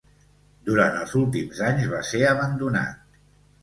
Durant els últims anys va ser abandonat.